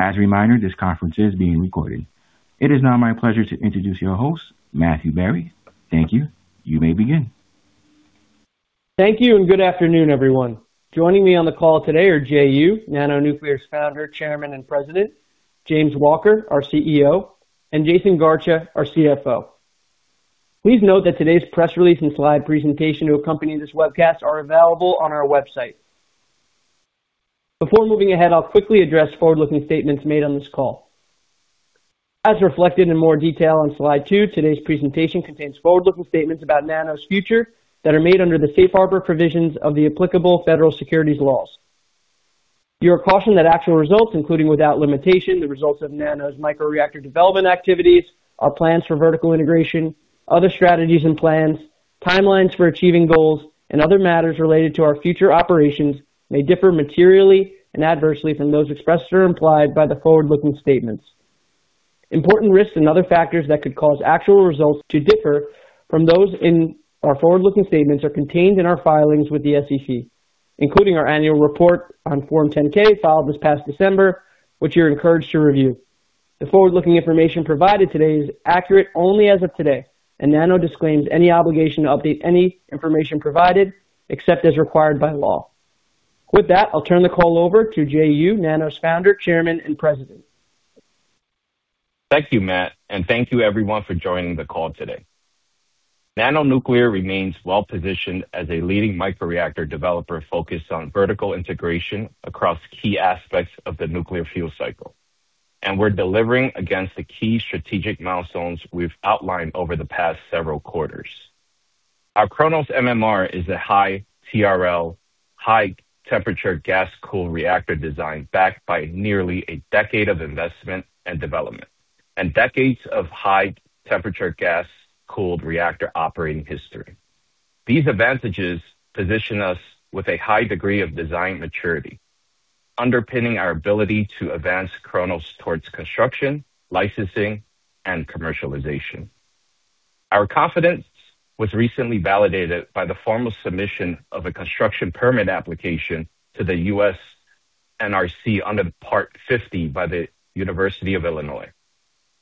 As a reminder, this conference is being recorded. It is now my pleasure to introduce your host, Matthew Barry. Thank you. You may begin. Thank you. Good afternoon, everyone. Joining me on the call today are Jay Yu, NANO Nuclear's Founder, Chairman, and President, James Walker, our CEO, and Jaisun Garcha, our CFO. Please note that today's press release and slide presentation to accompany this webcast are available on our website. Before moving ahead, I'll quickly address forward-looking statements made on this call. Reflected in more detail on slide 2, today's presentation contains forward-looking statements about NANO's future that are made under the Safe Harbor provisions of the applicable federal securities laws. You are cautioned that actual results, including without limitation, the results of NANO's microreactor development activities, our plans for vertical integration, other strategies and plans, timelines for achieving goals, and other matters related to our future operations may differ materially and adversely from those expressed or implied by the forward-looking statements. Important risks and other factors that could cause actual results to differ from those in our forward-looking statements are contained in our filings with the SEC, including our annual report on Form 10-K filed this past December, which you're encouraged to review. The forward-looking information provided today is accurate only as of today, and NANO Nuclear disclaims any obligation to update any information provided, except as required by law. With that, I'll turn the call over to Jay Yu, NANO Nuclear's founder, chairman, and president. Thank you, Matt, thank you everyone for joining the call today. NANO Nuclear remains well-positioned as a leading microreactor developer focused on vertical integration across key aspects of the nuclear fuel cycle, and we're delivering against the key strategic milestones we've outlined over the past several quarters. Our Kronos MMR is a high TRL, high temperature gas cooled reactor design backed by nearly a decade of investment and development, and decades of high temperature gas cooled reactor operating history. These advantages position us with a high degree of design maturity, underpinning our ability to advance Kronos towards construction, licensing, and commercialization. Our confidence was recently validated by the formal submission of a construction permit application to the U.S. NRC under Part 50 by the University of Illinois.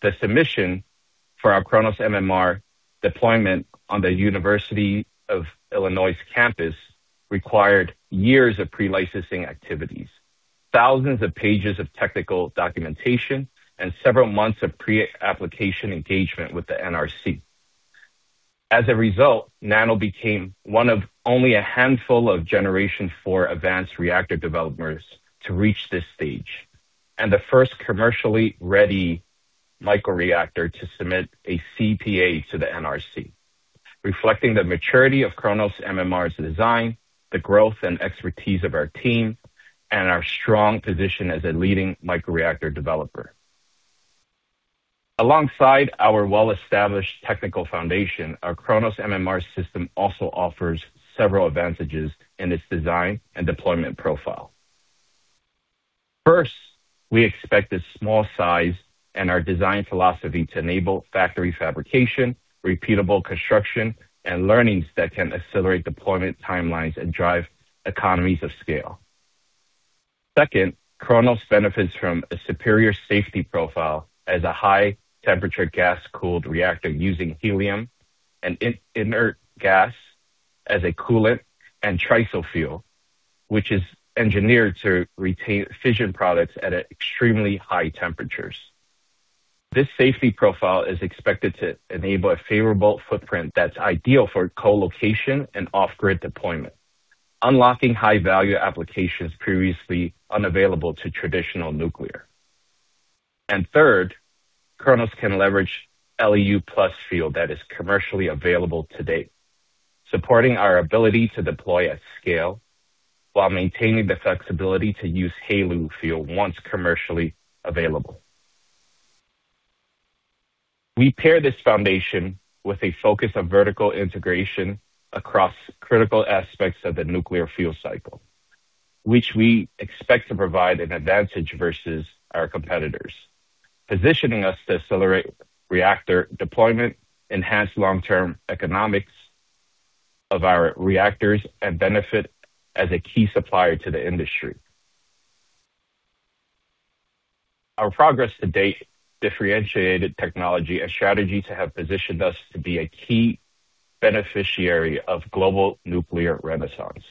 The submission for our Kronos MMR deployment on the University of Illinois' campus required years of pre-licensing activities, thousands of pages of technical documentation, and several months of pre-application engagement with the NRC. NANO became one of only a handful of Generation IV advanced reactor developers to reach this stage, and the first commercially ready microreactor to submit a CPA to the NRC, reflecting the maturity of Kronos MMR's design, the growth and expertise of our team, and our strong position as a leading microreactor developer. Alongside our well-established technical foundation, our Kronos MMR system also offers several advantages in its design and deployment profile. We expect its small size and our design philosophy to enable factory fabrication, repeatable construction, and learnings that can accelerate deployment timelines and drive economies of scale. Second, Kronos benefits from a superior safety profile as a high temperature gas cooled reactor using helium an inert gas as a coolant and TRISO fuel, which is engineered to retain fission products at extremely high temperatures. This safety profile is expected to enable a favorable footprint that's ideal for co-location and off-grid deployment, unlocking high-value applications previously unavailable to traditional nuclear. Third, Kronos can leverage LEU+ fuel that is commercially available today, supporting our ability to deploy at scale while maintaining the flexibility to use HALEU fuel once commercially available. We pair this foundation with a focus on vertical integration across critical aspects of the nuclear fuel cycle, which we expect to provide an advantage versus our competitors, positioning us to accelerate reactor deployment, enhance long-term economics of our reactors, and benefit as a key supplier to the industry. Our progress to date differentiated technology and strategies that have positioned us to be a key beneficiary of global nuclear renaissance.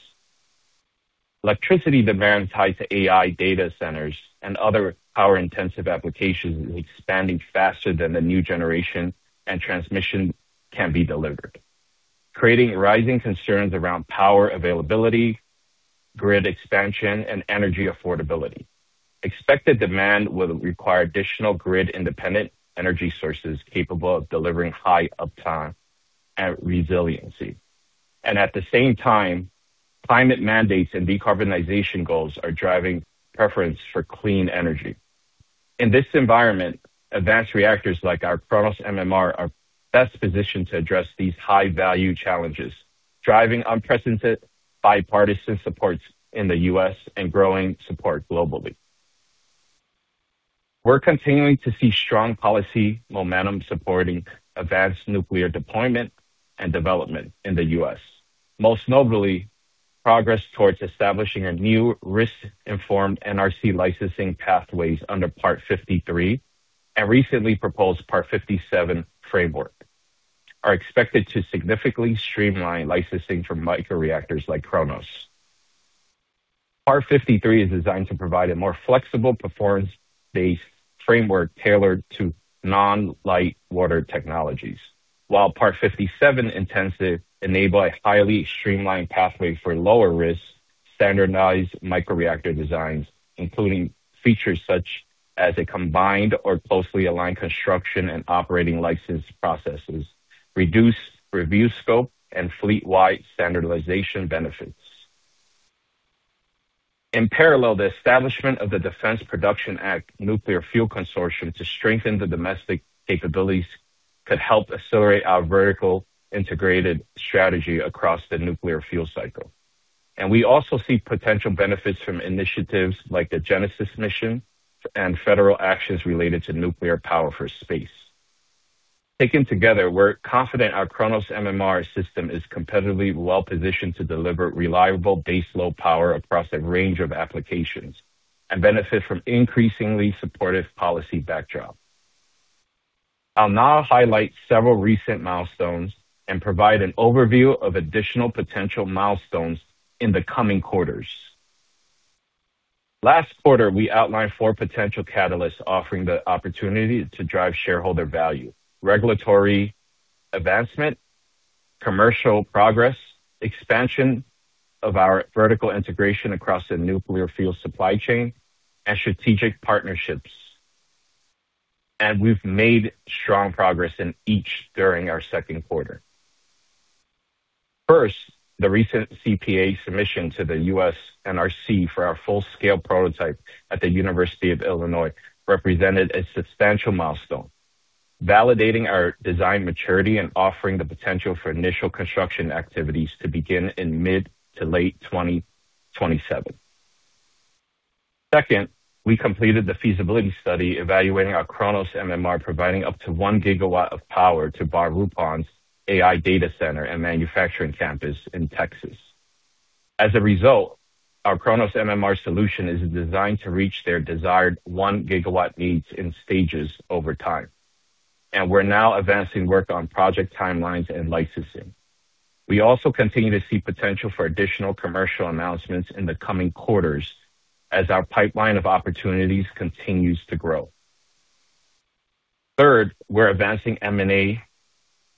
Electricity demand tied to AI data centers and other power-intensive applications is expanding faster than the new generation and transmission can be delivered, creating rising concerns around power availability, grid expansion, and energy affordability. Expected demand will require additional grid-independent energy sources capable of delivering high uptime and resiliency. At the same time, climate mandates and decarbonization goals are driving preference for clean energy. In this environment, advanced reactors like our Kronos MMR are best positioned to address these high-value challenges, driving unprecedented bipartisan supports in the U.S. and growing support globally. We're continuing to see strong policy momentum supporting advanced nuclear deployment and development in the U.S. Most notably, progress towards establishing a new risk-informed NRC licensing pathways under Part 53 and recently proposed Part 57 framework are expected to significantly streamline licensing for microreactors like Kronos. Part 53 is designed to provide a more flexible performance-based framework tailored to non-light water technologies. While Part 57 intends to enable a highly streamlined pathway for lower risk standardized microreactor designs, including features such as a combined or closely aligned construction and operating license processes, reduced review scope, and fleet-wide standardization benefits. In parallel, the establishment of the Defense Production Act Nuclear Fuel Cycle Consortium to strengthen the domestic capabilities could help accelerate our vertical integrated strategy across the nuclear fuel cycle. We also see potential benefits from initiatives like The Genesis Mission and federal actions related to nuclear power for space. Taken together, we're confident our Kronos MMR system is competitively well-positioned to deliver reliable baseload power across a range of applications and benefit from increasingly supportive policy backdrop. I'll now highlight several recent milestones and provide an overview of additional potential milestones in the coming quarters. Last quarter, we outlined four potential catalysts offering the opportunity to drive shareholder value, regulatory advancement, commercial progress, expansion of our vertical integration across the nuclear fuel supply chain, and strategic partnerships. We've made strong progress in each during our second quarter. First, the recent CPA submission to the U.S. NRC for our full-scale prototype at the University of Illinois represented a substantial milestone, validating our design maturity and offering the potential for initial construction activities to begin in mid to late 2027. Second, we completed the feasibility study evaluating our Kronos MMR, providing up to 1 GW of power to BaRupOn's AI data center and manufacturing campus in Texas. As a result, our Kronos MMR solution is designed to reach their desired 1 GW needs in stages over time, and we're now advancing work on project timelines and licensing. We also continue to see potential for additional commercial announcements in the coming quarters as our pipeline of opportunities continues to grow. Third, we're advancing M&A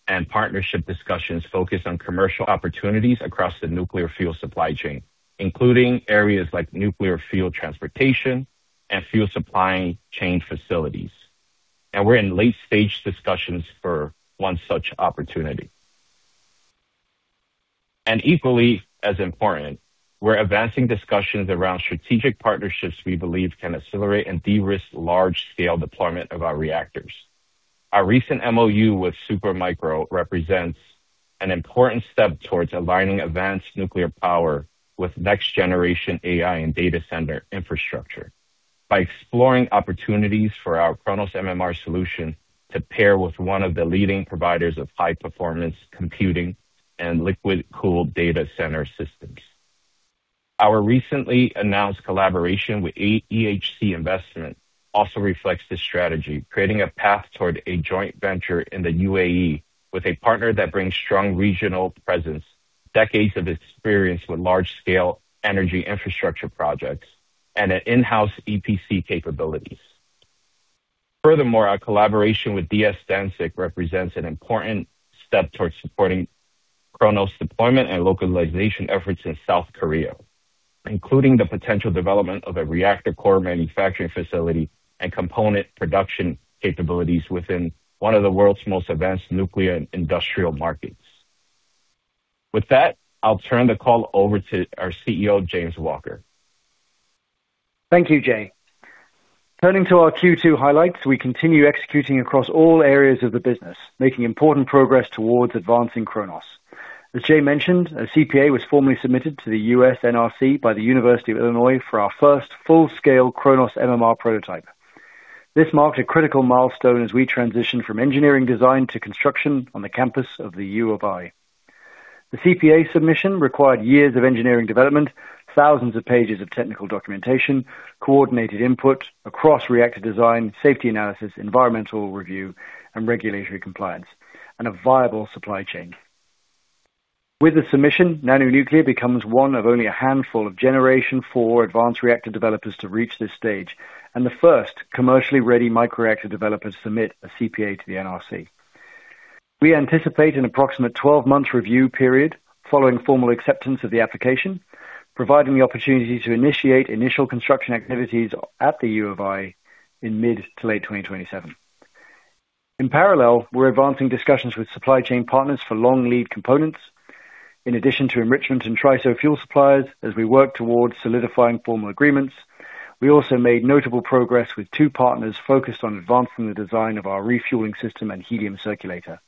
and partnership discussions focused on commercial opportunities across the nuclear fuel supply chain, including areas like nuclear fuel transportation and fuel supplying chain facilities. We're in late-stage discussions for 1 such opportunity. Equally as important, we're advancing discussions around strategic partnerships we believe can accelerate and de-risk large-scale deployment of our reactors. Our recent MOU with Supermicro represents an important step towards aligning advanced nuclear power with next-generation AI and data center infrastructure by exploring opportunities for our Kronos MMR solution to pair with one of the leading providers of high-performance computing and liquid-cooled data center systems. Our recently announced collaboration with EHC Investment also reflects this strategy, creating a path toward a joint venture in the UAE with a partner that brings strong regional presence, decades of experience with large-scale energy infrastructure projects, and an in-house EPC capabilities. Our collaboration with DS Dansuk represents an important step towards supporting Kronos deployment and localization efforts in South Korea, including the potential development of a reactor core manufacturing facility and component production capabilities within one of the world's most advanced nuclear industrial markets. With that, I'll turn the call over to our CEO, James Walker. Thank you, Jay. Turning to our Q2 highlights, we continue executing across all areas of the business, making important progress towards advancing Kronos. As Jay mentioned, a CPA was formally submitted to the U.S. NRC by the University of Illinois Urbana-Champaign for our first full-scale Kronos MMR prototype. This marked a critical milestone as we transition from engineering design to construction on the campus of the U of I. The CPA submission required years of engineering development, thousands of pages of technical documentation, coordinated input across reactor design, safety analysis, environmental review, and regulatory compliance, and a viable supply chain. With the submission, NANO Nuclear becomes one of only a handful of Generation IV advanced reactor developers to reach this stage, and the first commercially ready microreactor developer to submit a CPA to the NRC. We anticipate an approximate 12-month review period following formal acceptance of the application, providing the opportunity to initiate initial construction activities at the U of I in mid to late 2027. In parallel, we're advancing discussions with supply chain partners for long lead components. In addition to enrichment and TRISO fuel suppliers, as we work towards solidifying formal agreements, we also made notable progress with 2 partners focused on advancing the design of our refueling system and helium circulator.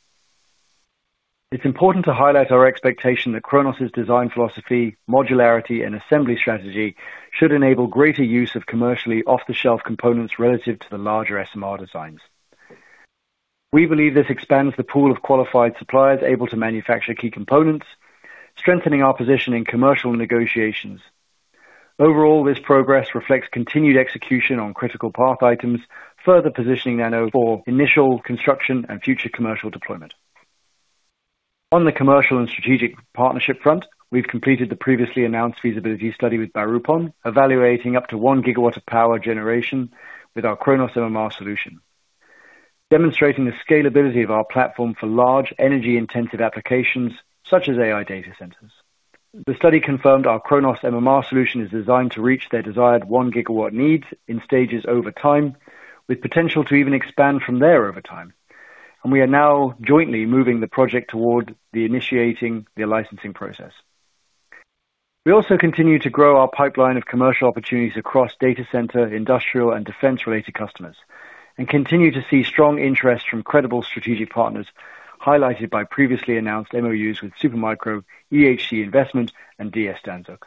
It's important to highlight our expectation that Kronos's design philosophy, modularity, and assembly strategy should enable greater use of commercially off-the-shelf components relative to the larger SMR designs. We believe this expands the pool of qualified suppliers able to manufacture key components, strengthening our position in commercial negotiations. This progress reflects continued execution on critical path items, further positioning NANO Nuclear for initial construction and future commercial deployment. On the commercial and strategic partnership front, we've completed the previously announced feasibility study with BaRupOn, evaluating up to 1 GW of power generation with our Kronos MMR solution, demonstrating the scalability of our platform for large energy-intensive applications such as AI data centers. The study confirmed our Kronos MMR solution is designed to reach their desired 1 GW needs in stages over time, with potential to even expand from there over time. We are now jointly moving the project toward the initiating the licensing process. We also continue to grow our pipeline of commercial opportunities across data center, industrial, and defense-related customers, and continue to see strong interest from credible strategic partners highlighted by previously announced MOUs with Supermicro, EHC Investment, and DS Dansuk.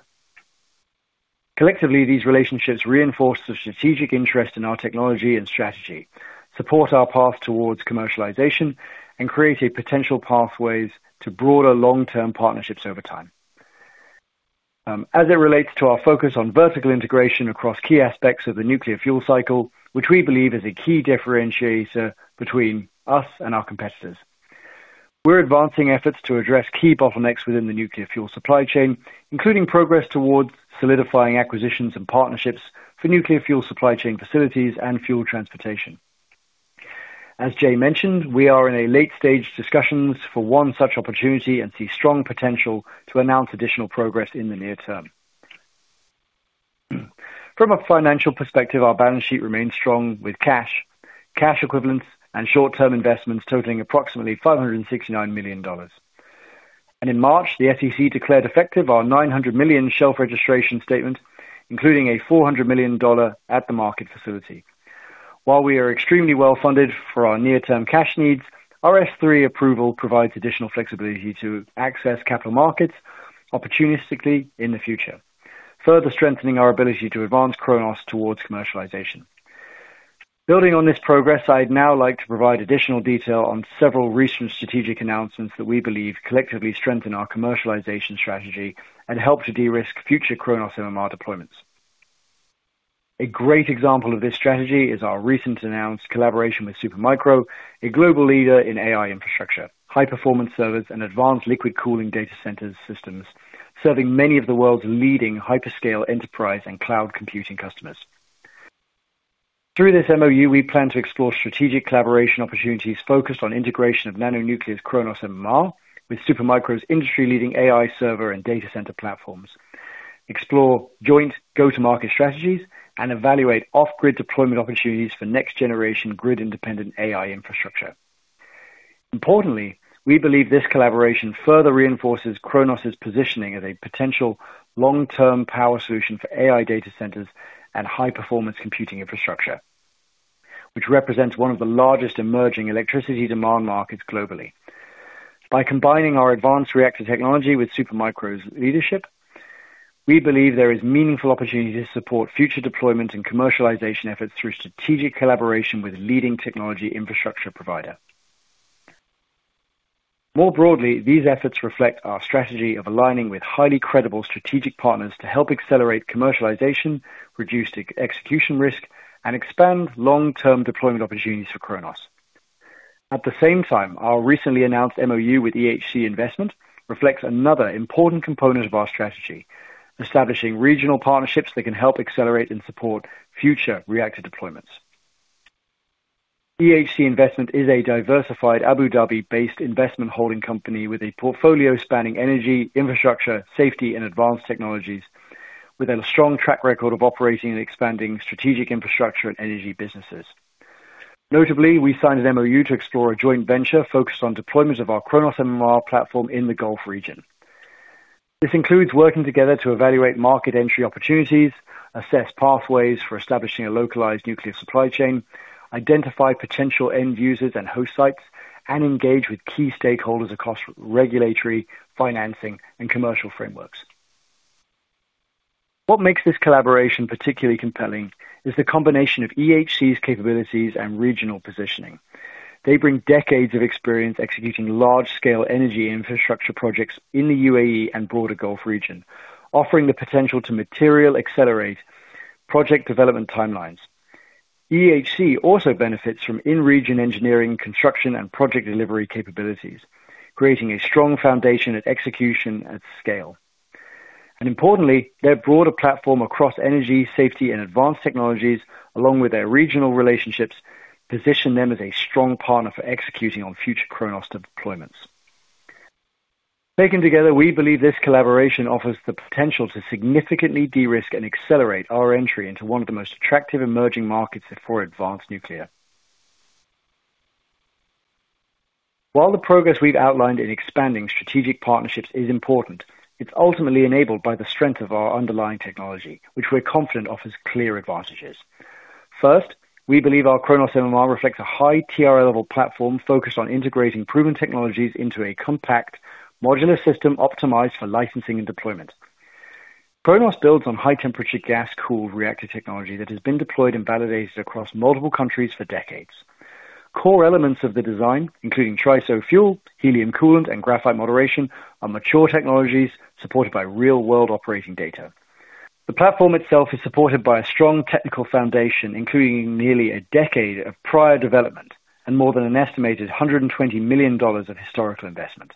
Collectively, these relationships reinforce the strategic interest in our technology and strategy, support our path towards commercialization, and create a potential pathways to broader long-term partnerships over time. As it relates to our focus on vertical integration across key aspects of the nuclear fuel cycle, which we believe is a key differentiator between us and our competitors. We're advancing efforts to address key bottlenecks within the nuclear fuel supply chain, including progress towards solidifying acquisitions and partnerships for nuclear fuel supply chain facilities and fuel transportation. As Jay mentioned, we are in a late-stage discussions for one such opportunity and see strong potential to announce additional progress in the near term. From a financial perspective, our balance sheet remains strong with cash equivalents, and short-term investments totaling approximately $569 million. In March, the SEC declared effective our $900 million shelf registration statement, including a $400 million at-the-market facility. While we are extremely well-funded for our near-term cash needs, our Form S-3 approval provides additional flexibility to access capital markets opportunistically in the future, further strengthening our ability to advance Kronos towards commercialization. Building on this progress, I'd now like to provide additional detail on several recent strategic announcements that we believe collectively strengthen our commercialization strategy and help to de-risk future Kronos MMR deployments. A great example of this strategy is our recent announced collaboration with Supermicro, a global leader in AI infrastructure, high-performance servers, and advanced liquid cooling data centers systems, serving many of the world's leading hyperscale enterprise and cloud computing customers. Through this MOU, we plan to explore strategic collaboration opportunities focused on integration of NANO Nuclear Kronos MMR with Supermicro's industry-leading AI server and data center platforms, explore joint go-to-market strategies, and evaluate off-grid deployment opportunities for next-generation grid-independent AI infrastructure. Importantly, we believe this collaboration further reinforces Kronos' positioning as a potential long-term power solution for AI data centers and high-performance computing infrastructure, which represents one of the largest emerging electricity demand markets globally. By combining our advanced reactor technology with Supermicro's leadership, we believe there is meaningful opportunity to support future deployment and commercialization efforts through strategic collaboration with a leading technology infrastructure provider. More broadly, these efforts reflect our strategy of aligning with highly credible strategic partners to help accelerate commercialization, reduce execution risk, and expand long-term deployment opportunities for Kronos. At the same time, our recently announced MOU with EHC Investment reflects another important component of our strategy, establishing regional partnerships that can help accelerate and support future reactor deployments. EHC Investment is a diversified Abu Dhabi-based investment holding company with a portfolio spanning energy, infrastructure, safety, and advanced technologies with a strong track record of operating and expanding strategic infrastructure and energy businesses. Notably, we signed an MOU to explore a joint venture focused on deployment of our Kronos MMR platform in the Gulf region. This includes working together to evaluate market entry opportunities, assess pathways for establishing a localized nuclear supply chain, identify potential end users and host sites, and engage with key stakeholders across regulatory, financing, and commercial frameworks. What makes this collaboration particularly compelling is the combination of EHC's capabilities and regional positioning. They bring decades of experience executing large-scale energy infrastructure projects in the UAE and broader Gulf region, offering the potential to material accelerate project development timelines. EHC also benefits from in-region engineering, construction, and project delivery capabilities, creating a strong foundation at execution and scale. Importantly, their broader platform across energy, safety, and advanced technologies, along with their regional relationships, position them as a strong partner for executing on future Kronos deployments. Taken together, we believe this collaboration offers the potential to significantly de-risk and accelerate our entry into one of the most attractive emerging markets for advanced nuclear. While the progress we've outlined in expanding strategic partnerships is important, it's ultimately enabled by the strength of our underlying technology, which we're confident offers clear advantages. First, we believe our Kronos MMR reflects a high TRL level platform focused on integrating proven technologies into a compact modular system optimized for licensing and deployment. Kronos builds on high temperature gas cooled reactor technology that has been deployed and validated across multiple countries for decades. Core elements of the design, including TRISO fuel, helium coolant and graphite moderation, are mature technologies supported by real-world operating data. The platform itself is supported by a strong technical foundation, including nearly a decade of prior development and more than an estimated $120 million of historical investment.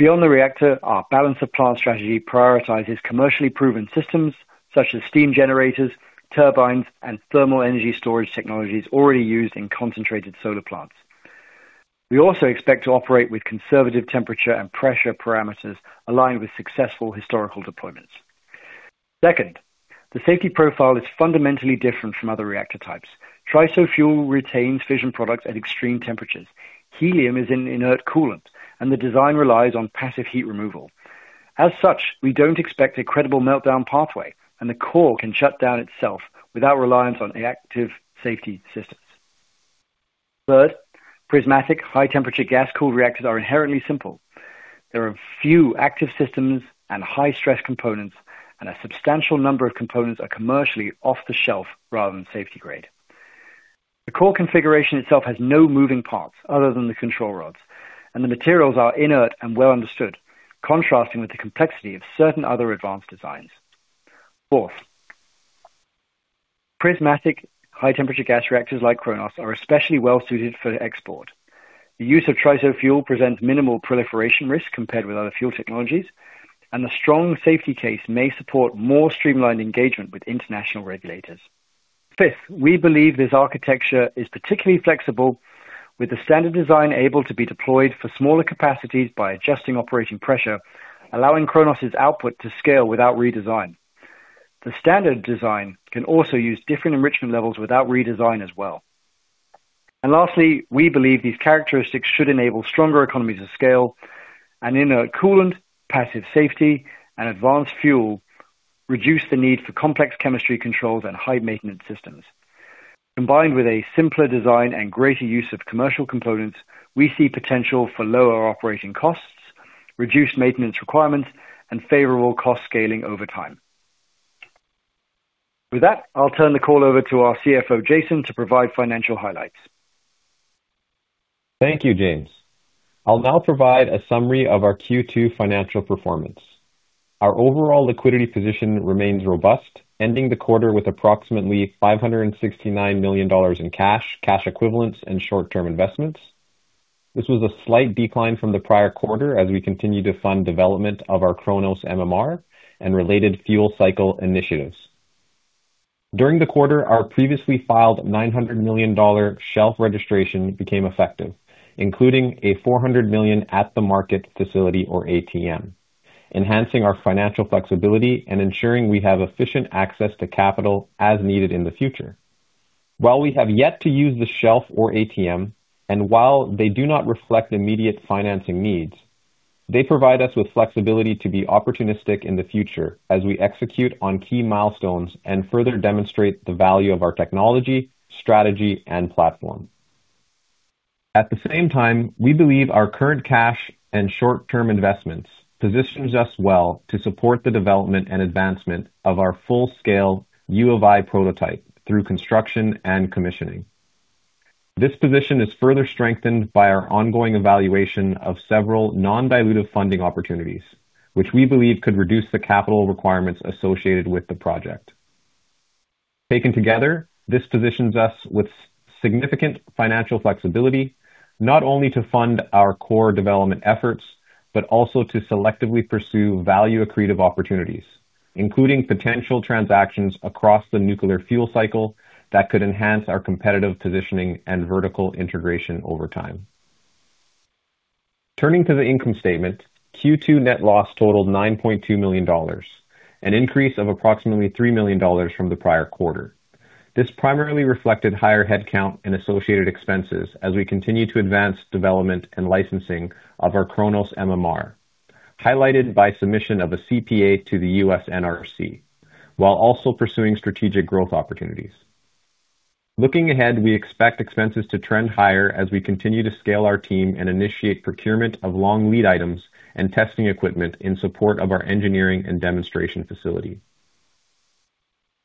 Beyond the reactor, our balance of plant strategy prioritizes commercially proven systems such as steam generators, turbines, and thermal energy storage technologies already used in concentrated solar plants. We also expect to operate with conservative temperature and pressure parameters aligned with successful historical deployments. Second, the safety profile is fundamentally different from other reactor types. TRISO fuel retains fission products at extreme temperatures. Helium is an inert coolant, and the design relies on passive heat removal. As such, we don't expect a credible meltdown pathway, and the core can shut down itself without reliance on active safety systems. Third, prismatic high temperature gas cooled reactors are inherently simple. There are few active systems and high-stress components, and a substantial number of components are commercially off-the-shelf rather than safety grade. The core configuration itself has no moving parts other than the control rods, and the materials are inert and well understood, contrasting with the complexity of certain other advanced designs. Fourth, prismatic high temperature gas reactors like Kronos are especially well-suited for export. The use of TRISO fuel presents minimal proliferation risk compared with other fuel technologies, and the strong safety case may support more streamlined engagement with international regulators. Fifth, we believe this architecture is particularly flexible, with the standard design able to be deployed for smaller capacities by adjusting operating pressure, allowing Kronos' output to scale without redesign. The standard design can also use different enrichment levels without redesign as well. Lastly, we believe these characteristics should enable stronger economies of scale, and inert coolant, passive safety, and advanced fuel reduce the need for complex chemistry controls and high maintenance systems. Combined with a simpler design and greater use of commercial components, we see potential for lower operating costs, reduced maintenance requirements, and favorable cost scaling over time. With that, I'll turn the call over to our CFO, Jaisun, to provide financial highlights. Thank you, James. I'll now provide a summary of our Q2 financial performance. Our overall liquidity position remains robust, ending the quarter with approximately $569 million in cash equivalents, and short-term investments. This was a slight decline from the prior quarter as we continue to fund development of our Kronos MMR and related fuel cycle initiatives. During the quarter, our previously filed $900 million shelf registration became effective, including a $400 million at-the-market facility or ATM, enhancing our financial flexibility and ensuring we have efficient access to capital as needed in the future. While we have yet to use the shelf or ATM, and while they do not reflect immediate financing needs, they provide us with flexibility to be opportunistic in the future as we execute on key milestones and further demonstrate the value of our technology, strategy, and platform. At the same time, we believe our current cash and short-term investments positions us well to support the development and advancement of our full-scale U of I prototype through construction and commissioning. This position is further strengthened by our ongoing evaluation of several non-dilutive funding opportunities, which we believe could reduce the capital requirements associated with the project. Taken together, this positions us with significant financial flexibility, not only to fund our core development efforts, but also to selectively pursue value-accretive opportunities, including potential transactions across the nuclear fuel cycle that could enhance our competitive positioning and vertical integration over time. Turning to the income statement, Q2 net loss totaled $9.2 million, an increase of approximately $3 million from the prior quarter. This primarily reflected higher headcount and associated expenses as we continue to advance development and licensing of our Kronos MMR, highlighted by submission of a CPA to the U.S. NRC, while also pursuing strategic growth opportunities. Looking ahead, we expect expenses to trend higher as we continue to scale our team and initiate procurement of long lead items and testing equipment in support of our engineering and demonstration facility.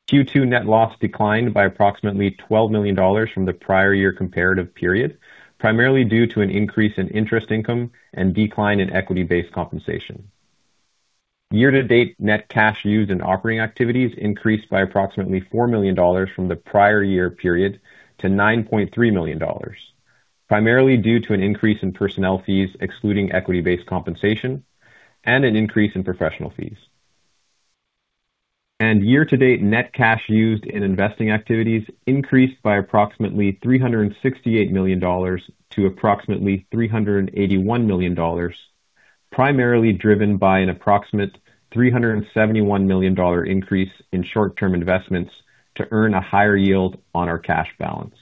Q2 net loss declined by approximately $12 million from the prior year comparative period, primarily due to an increase in interest income and decline in equity-based compensation. Year-to-date net cash used in operating activities increased by approximately $4 million from the prior year period to $9.3 million, primarily due to an increase in personnel fees excluding equity-based compensation and an increase in professional fees. Year-to-date net cash used in investing activities increased by approximately $368 million to approximately $381 million, primarily driven by an approximate $371 million increase in short-term investments to earn a higher yield on our cash balance.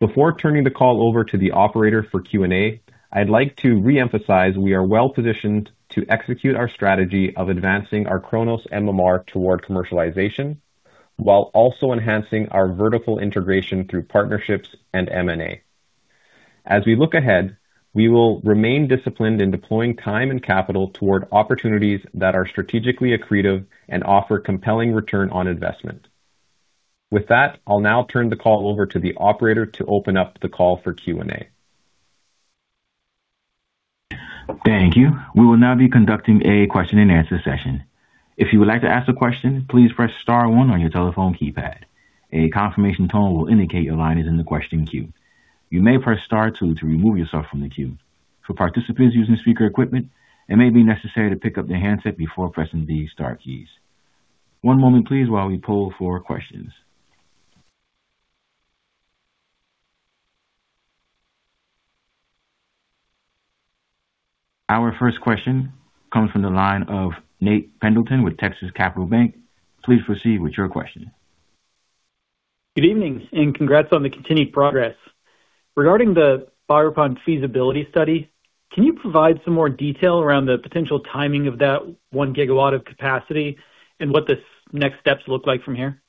Before turning the call over to the operator for Q&A, I'd like to reemphasize we are well-positioned to execute our strategy of advancing our Kronos MMR toward commercialization, while also enhancing our vertical integration through partnerships and M&A. As we look ahead, we will remain disciplined in deploying time and capital toward opportunities that are strategically accretive and offer compelling return on investment. With that, I'll now turn the call over to the operator to open up the call for Q&A. Our first question comes from the line of Nate Pendleton with Texas Capital Bank. Please proceed with your question. Good evening, congrats on the continued progress. Regarding the BaRupOn feasibility study, can you provide some more detail around the potential timing of that 1 GW of capacity and what the next steps look like from here?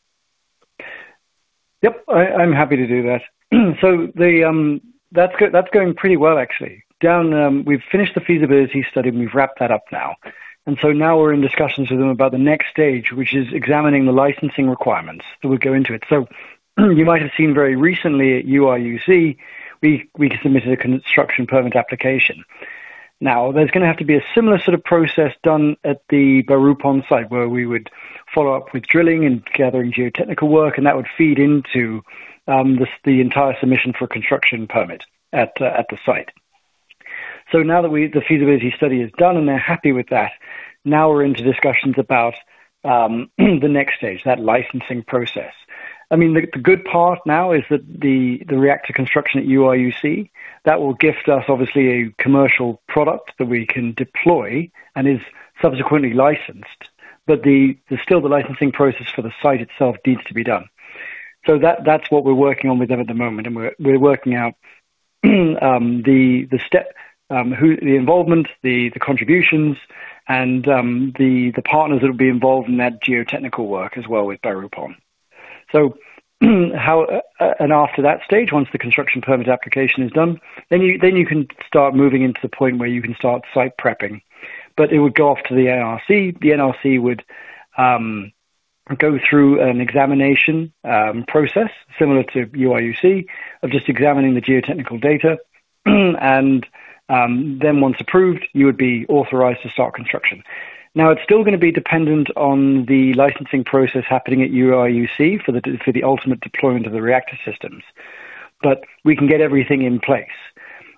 Yep. I'm happy to do that. That's going pretty well, actually. Down, we've finished the feasibility study. We've wrapped that up now. Now we're in discussions with them about the next stage, which is examining the licensing requirements that would go into it. You might have seen very recently at UIUC, we submitted a construction permit application. Now, there's going to have to be a similar sort of process done at the Baruch Point site, where we would follow up with drilling and gathering geotechnical work, and that would feed into the entire submission for construction permit at the site. Now that the feasibility study is done and they're happy with that, now we're into discussions about the next stage, that licensing process. I mean, the good part now is that the reactor construction at UIUC, that will gift us obviously a commercial product that we can deploy and is subsequently licensed. There's still the licensing process for the site itself needs to be done. That's what we're working on with them at the moment. We're working out the step, who, the involvement, the contributions and the partners that will be involved in that geotechnical work as well with BaRupOn. After that stage, once the construction permit application is done, then you can start moving into the point where you can start site prepping. It would go off to the NRC. The NRC would go through an examination process similar to UIUC of just examining the geotechnical data. Then once approved, you would be authorized to start construction. Now, it's still gonna be dependent on the licensing process happening at UIUC for the, for the ultimate deployment of the reactor systems. We can get everything in place.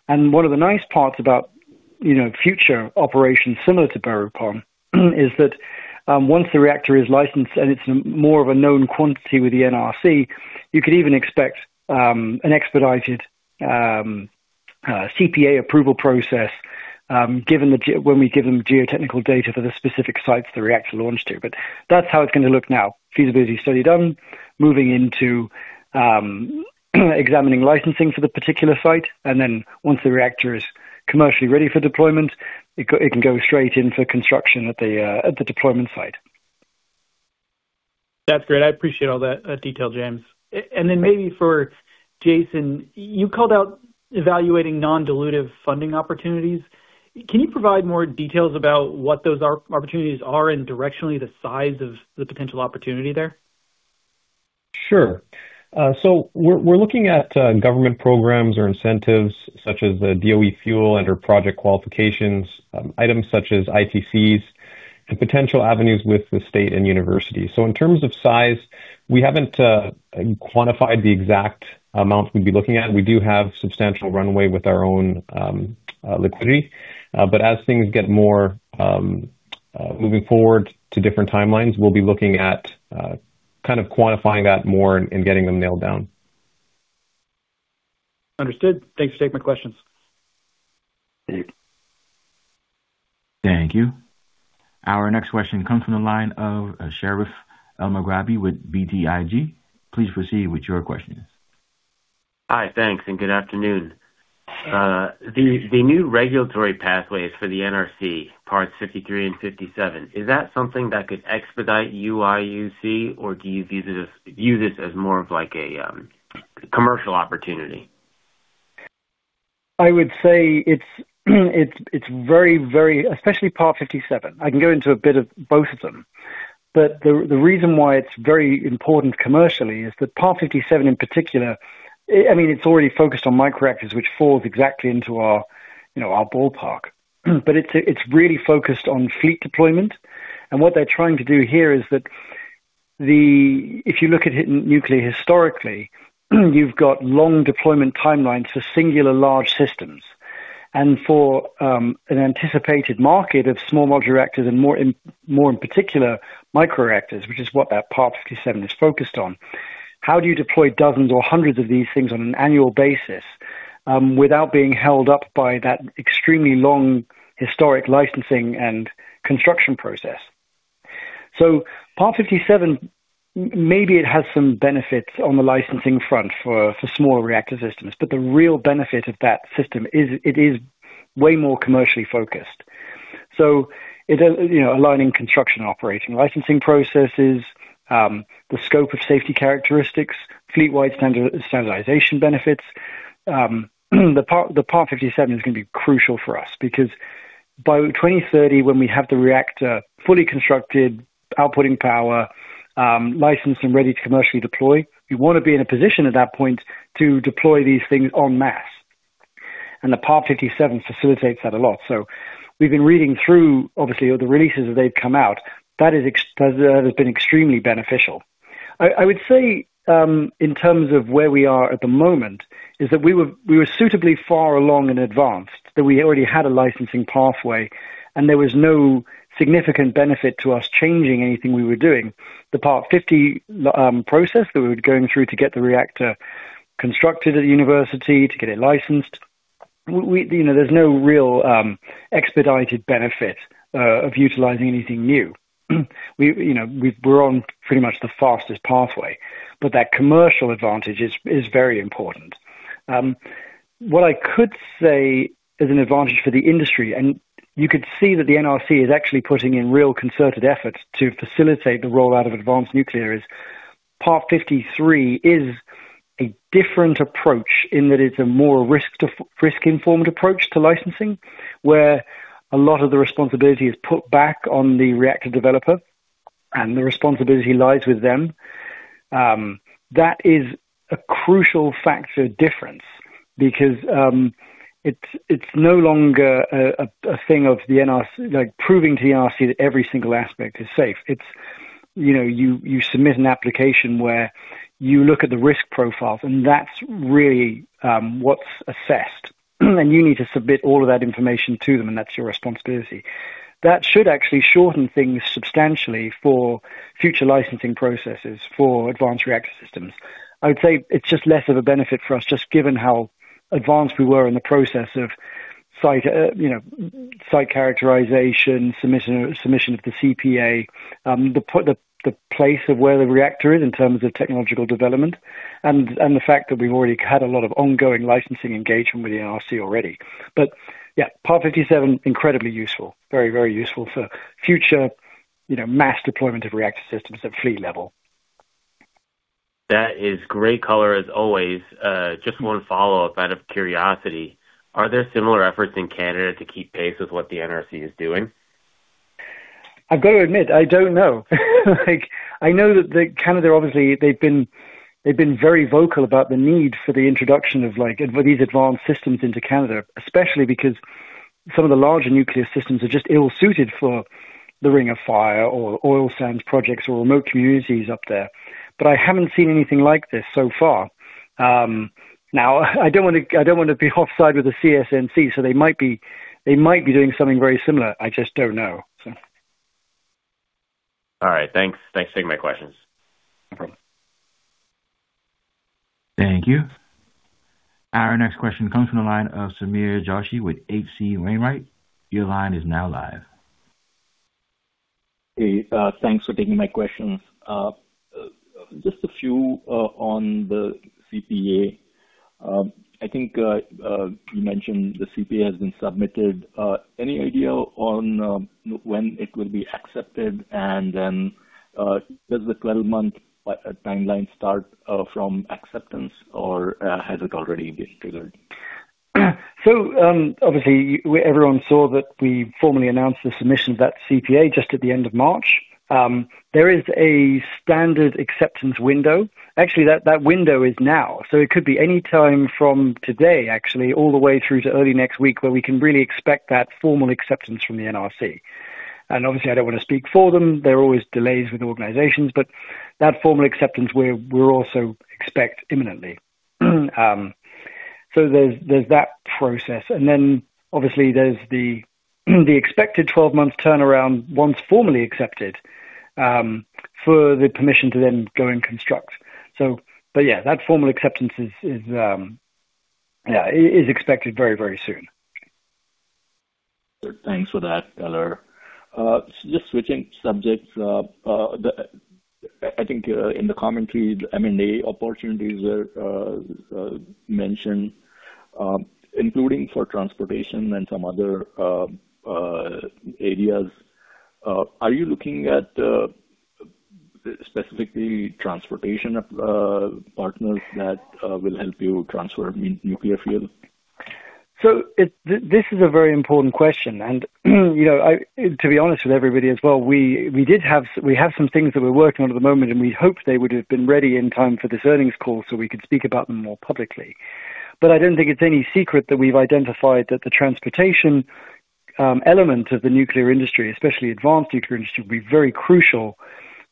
One of the nice parts about, you know, future operations similar to BaRupOn, is that once the reactor is licensed and it's more of a known quantity with the NRC, you could even expect an expedited CPA approval process, given when we give them geotechnical data for the specific sites the reactor launched to. That's how it's gonna look now. Feasibility study done, moving into examining licensing for the particular site, once the reactor is commercially ready for deployment, it can go straight in for construction at the deployment site. That's great. I appreciate all that detail, James. Then maybe for Jaisun, you called out evaluating non-dilutive funding opportunities. Can you provide more details about what those are, opportunities are and directionally the size of the potential opportunity there? Sure. We're looking at government programs or incentives such as the DOE fuel under project qualifications, items such as ITCs and potential avenues with the state and university. In terms of size, we haven't quantified the exact amounts we'd be looking at. We do have substantial runway with our own liquidity. As things get more moving forward to different timelines, we'll be looking at kind of quantifying that more and getting them nailed down. Understood. Thanks. Take my questions. Thank you. Our next question comes from the line of Sherif Elmaghrabi with BTIG. Please proceed with your questions. Hi, thanks, and good afternoon. The new regulatory pathways for the NRC, parts 53 and 57, is that something that could expedite UIUC or do you view this as more of like a commercial opportunity? I would say it's very, very, especially Part 57. I can go into a bit of both of them. The reason why it's very important commercially is that Part 57 in particular, I mean, it's already focused on microreactors, which falls exactly into our, you know, our ballpark. It's really focused on fleet deployment. What they're trying to do here is that if you look at nuclear historically, you've got long deployment timelines for singular large systems. For an anticipated market of small module reactors and more in particular microreactors, which is what that Part 57 is focused on, how do you deploy dozens or hundreds of these things on an annual basis without being held up by that extremely long historic licensing and construction process? Part 57, maybe it has some benefits on the licensing front for small reactor systems, but the real benefit of that system is it is way more commercially focused. It, you know, aligning construction operating licensing processes, the scope of safety characteristics, fleet-wide standardization benefits. The Part 57 is gonna be crucial for us because by 2030 when we have the reactor fully constructed, outputting power, licensed and ready to commercially deploy, we wanna be in a position at that point to deploy these things en masse. The Part 57 facilitates that a lot. We've been reading through, obviously, all the releases as they've come out. That has been extremely beneficial. I would say, in terms of where we are at the moment is that we were suitably far along and advanced that we already had a licensing pathway and there was no significant benefit to us changing anything we were doing. The Part 50 process that we were going through to get the reactor constructed at the university, to get it licensed, we, you know, there's no real expedited benefit of utilizing anything new. We, you know, we're on pretty much the fastest pathway, but that commercial advantage is very important. What I could say is an advantage for the industry, you could see that the NRC is actually putting in real concerted efforts to facilitate the rollout of advanced nuclear is Part 53 is a different approach in that it's a more risk-informed approach to licensing, where a lot of the responsibility is put back on the reactor developer and the responsibility lies with them. That is a crucial factor difference because it's no longer a thing of the NRC proving to the NRC that every single aspect is safe. It's, you know, you submit an application where you look at the risk profiles and that's really what's assessed, and you need to submit all of that information to them and that's your responsibility. That should actually shorten things substantially for future licensing processes for advanced reactor systems. I would say it's just less of a benefit for us just given how advanced we were in the process of site, you know, site characterization, submission of the CPA, the place of where the reactor is in terms of technological development and the fact that we've already had a lot of ongoing licensing engagement with the NRC already. Part 57, incredibly useful. Very, very useful for future, you know, mass deployment of reactor systems at fleet level. That is great color as always. Just one follow-up out of curiosity. Are there similar efforts in Canada to keep pace with what the NRC is doing? I've got to admit, I don't know. Like I know that Canada obviously they've been very vocal about the need for the introduction of like for these advanced systems into Canada, especially because some of the larger nuclear systems are just ill-suited for the ring of fire or oil sands projects or remote communities up there. I haven't seen anything like this so far. Now I don't wanna be offside with the CNSC, they might be doing something very similar. I just don't know. All right. Thanks. Thanks for taking my questions. No problem. Thank you. Our next question comes from the line of Sameer Joshi with H.C. Wainwright. Your line is now live. Hey, thanks for taking my questions. Just a few on the CPA. I think you mentioned the CPA has been submitted. Any idea on when it will be accepted and then does the 12-month timeline start from acceptance or has it already been triggered? Obviously everyone saw that we formally announced the submission of that CPA just at the end of March. There is a standard acceptance window. Actually, that window is now. It could be any time from today actually all the way through to early next week where we can really expect that formal acceptance from the NRC. Obviously, I don't want to speak for them, there are always delays with organizations, but that formal acceptance we're also expect imminently. There's that process and then obviously there's the expected 12 months turnaround once formally accepted for the permission to then go and construct. That formal acceptance is expected very soon. Thanks for that color. Just switching subjects. The, I think, in the commentary, the M&A opportunities were mentioned, including for transportation and some other areas. Are you looking at specifically transportation partners that will help you transfer nuclear fuel? This is a very important question and, you know, to be honest with everybody as well, we have some things that we're working on at the moment, and we hoped they would have been ready in time for this earnings call so we could speak about them more publicly. I don't think it's any secret that we've identified that the transportation element of the nuclear industry, especially advanced nuclear industry, will be very crucial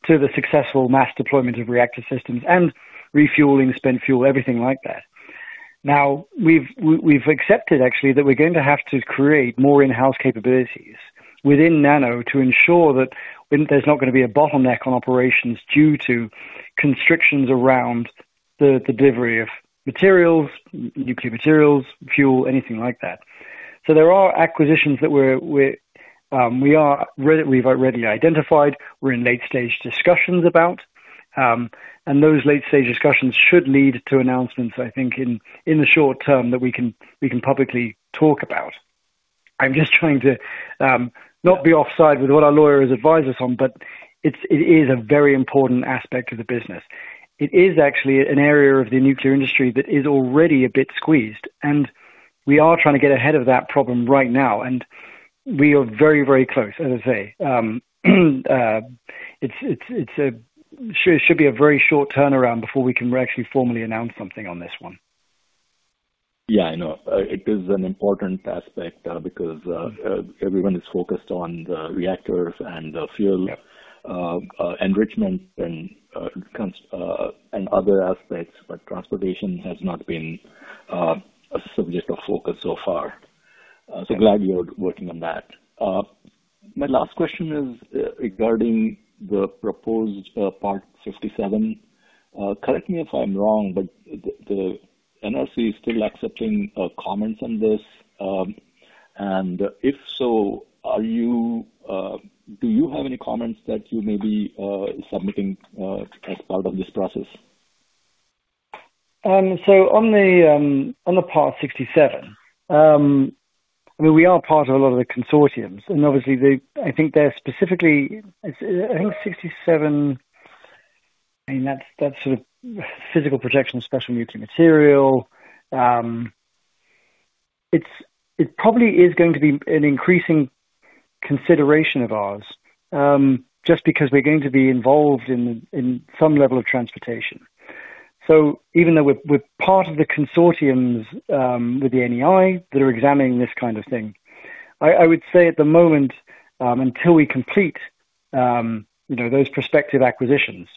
to the successful mass deployment of reactor systems and refueling spent fuel, everything like that. Now we've accepted actually that we're going to have to create more in-house capabilities within NANO Nuclear to ensure that when there's not going to be a bottleneck on operations due to constrictions around the delivery of materials, nuclear materials, fuel, anything like that. There are acquisitions that we're already identified, we're in late-stage discussions about. And those late-stage discussions should lead to announcements, I think, in the short term that we can publicly talk about. I'm just trying to not be offside with what our lawyers advise us on, but it is a very important aspect of the business. It is actually an area of the nuclear industry that is already a bit squeezed, and we are trying to get ahead of that problem right now, and we are very, very close, as I say. It should be a very short turnaround before we can actually formally announce something on this one. Yeah, I know. It is an important aspect, because everyone is focused on the reactors and the fuel- Yeah. enrichment and other aspects, Transportation has not been a subject of focus so far. Glad you're working on that. My last question is regarding the proposed Part 67. Correct me if I'm wrong, the NRC is still accepting comments on this. If so, do you have any comments that you may be submitting as part of this process? On the Part 73, we are part of a lot of the consortiums, and that's sort of physical protection special nuclear material. It probably is going to be an increasing consideration of ours, just because we're going to be involved in some level of transportation. Even though we're part of the consortiums with the NEI that are examining this kind of thing, I would say at the moment, until we complete, you know, those prospective acquisitions,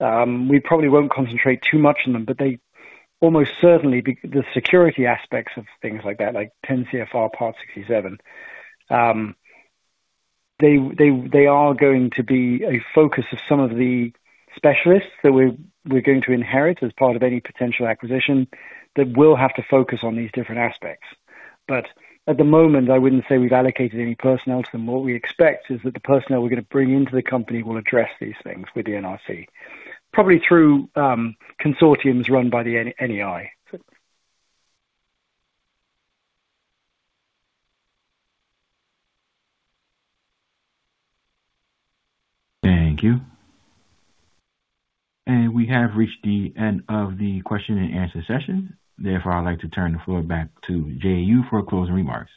we probably won't concentrate too much on them. They almost certainly be the security aspects of things like that, like 10 CFR Part 73. They are going to be a focus of some of the specialists that we're going to inherit as part of any potential acquisition that will have to focus on these different aspects. At the moment, I wouldn't say we've allocated any personnel to them. What we expect is that the personnel we're gonna bring into the company will address these things with the NRC, probably through consortiums run by the NEI. Thank you. We have reached the end of the question and answer session. Therefore, I'd like to turn the floor back to Jay Yu for closing remarks.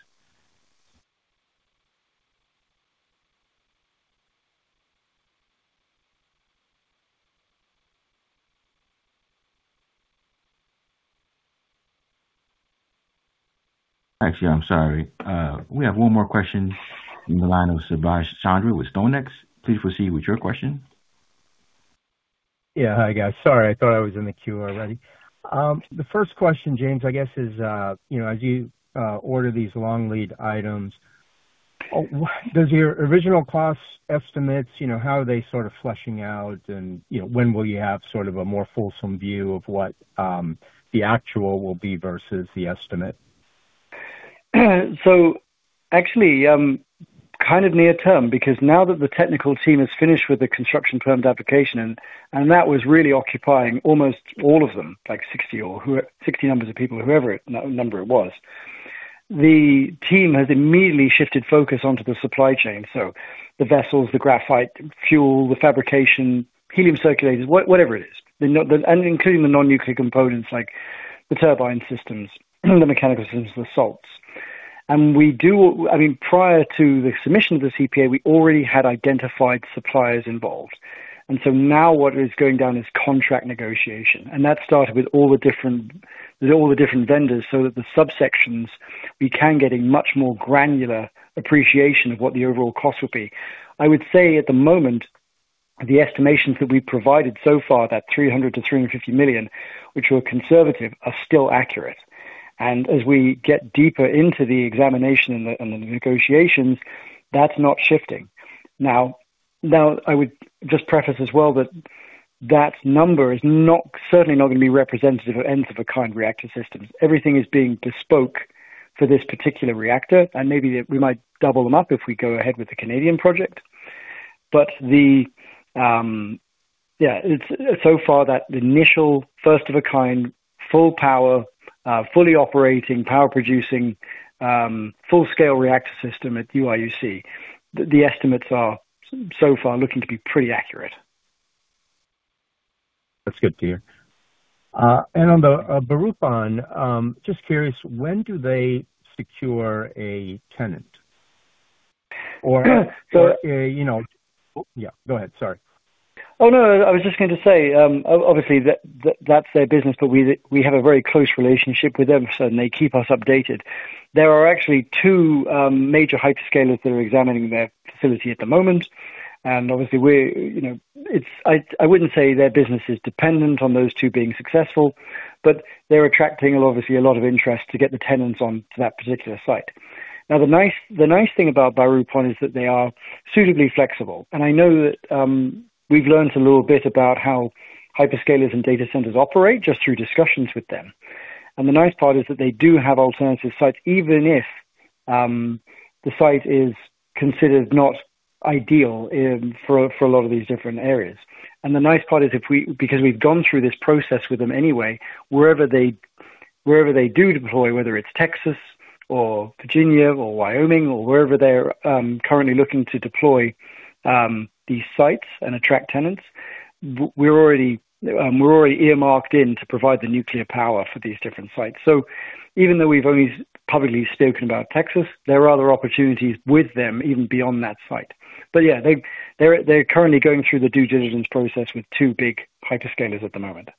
Actually, I'm sorry. We have one more question in the line of Subash Chandra with StoneX. Please proceed with your question. Yeah. Hi, guys. Sorry, I thought I was in the queue already. The first question, James, I guess is, you know, as you order these long lead items, does your original cost estimates, you know, how are they sort of fleshing out and, you know, when will you have sort of a more fulsome view of what, the actual will be versus the estimate? Actually, kind of near term because now that the technical team is finished with the construction permit application, and that was really occupying almost all of them, like 60 numbers of people. The team has immediately shifted focus onto the supply chain, so the vessels, the graphite, fuel, the fabrication, helium circulators, whatever it is. Including the non-nuclear components like the turbine systems, the mechanical systems, the salts. We do, I mean, prior to the submission of the CPA, we already had identified suppliers involved. Now what is going down is contract negotiation. That started with all the different vendors so that the subsections we can get a much more granular appreciation of what the overall cost will be. I would say at the moment, the estimations that we've provided so far, that $300 million-$350 million, which were conservative, are still accurate. As we get deeper into the examination and the negotiations, that's not shifting. Now, I would just preface as well that that number is not, certainly not gonna be representative of Nth of a kind reactor systems. Everything is being bespoke for this particular reactor, and maybe we might double them up if we go ahead with the Canadian project. The, yeah, it's so far that initial first of a kind, full power, fully operating, power producing, full scale reactor system at UIUC. The estimates are so far looking to be pretty accurate. That's good to hear. On the BaRupOn, just curious, when do they secure a tenant? So- You know Yeah, go ahead. Sorry. I was just going to say, obviously that's their business. We have a very close relationship with them. They keep us updated. There are actually two major hyperscalers that are examining their facility at the moment. Obviously we're, you know, I wouldn't say their business is dependent on those two being successful, but they're attracting obviously a lot of interest to get the tenants onto that particular site. The nice thing about Baruch Point is that they are suitably flexible. I know that we've learned a little bit about how hyperscalers and data centers operate just through discussions with them. The nice part is that they do have alternative sites, even if the site is considered not ideal for a lot of these different areas. The nice part is if we, because we've gone through this process with them anyway, wherever they do deploy, whether it's Texas or Virginia or Wyoming or wherever they're currently looking to deploy these sites and attract tenants, we're already earmarked in to provide the nuclear power for these different sites. Even though we've only publicly spoken about Texas, there are other opportunities with them even beyond that site. Yeah, they're currently going through the due diligence process with 2 big hyperscalers at the moment.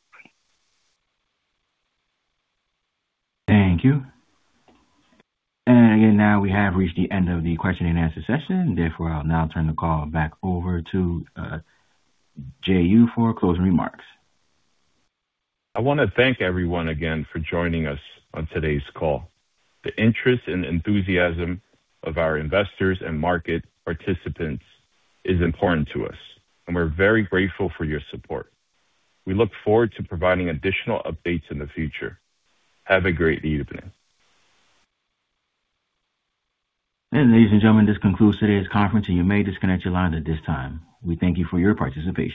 Thank you. Again, now we have reached the end of the question and answer session. Therefore, I'll now turn the call back over to Jay Yu for closing remarks. I wanna thank everyone again for joining us on today's call. The interest and enthusiasm of our investors and market participants is important to us, and we're very grateful for your support. We look forward to providing additional updates in the future. Have a great evening. Ladies and gentlemen, this concludes today's conference, and you may disconnect your lines at this time. We thank you for your participation.